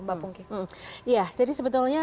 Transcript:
mbak pungki ya jadi sebetulnya